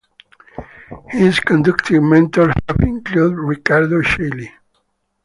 His conducting mentors have included Riccardo Chailly.